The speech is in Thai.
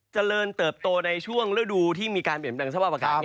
เจริญเติบโตในช่วงฤดูที่มีการเปลี่ยนแปลงสภาพอากาศ